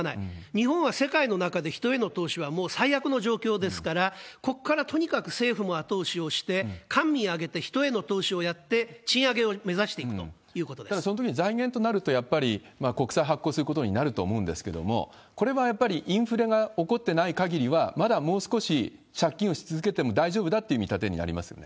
日本は世界の中で人への投資はもう最悪の状況ですから、ここからとにかく政府も後押しをして、官民挙げて人への投資をやって、賃上げを目指していくということただ、そのときに財源となると、やっぱり国債発行することになると思うんですけれども、これはやっぱりインフレが起こってない限りは、まだもう少し借金をし続けても大丈夫だという見立てになりますよ